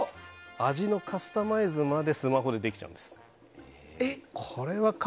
味のカスタマイズまでスマホでできちゃうんです。